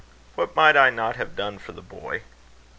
"What might I not have done for the boy!